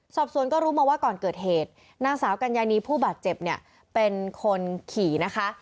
สอบสวนก็รู้มาว่าก่อนเกิดเหตุนางสาวกัญญานีผู้บาดเจ็บเนี่ยเป็นคนขี่นะคะ